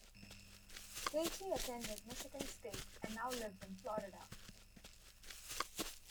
Katie attended Michigan State and now lives in Florida.